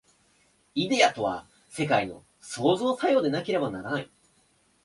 イデヤとは世界の創造作用でなければならない。